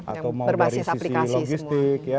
atau mau dari sisi logistik